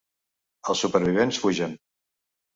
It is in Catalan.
Els supervivents fugen.